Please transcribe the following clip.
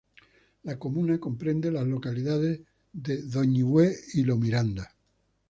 La comuna comprende las localidades de: Doñihue y Lo Miranda.